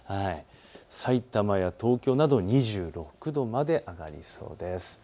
さいたまや東京など２６度まで上がりそうです。